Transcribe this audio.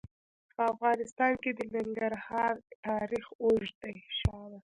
په افغانستان کې د ننګرهار تاریخ اوږد دی.